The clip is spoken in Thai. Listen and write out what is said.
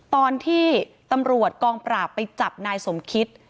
ตอนที่ตำรวจกองปราบไปจับนายสมคิต